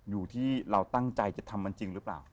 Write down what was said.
อยู่ที่เราตั้งใจจะทำมันจริงหรือเปล่า